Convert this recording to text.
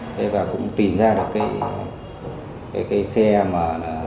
thế và cũng tìm ra được cái xe mà